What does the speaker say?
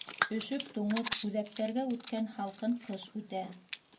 Өшөп-туңып үҙәктәргә үткән һалҡын ҡыш үтә.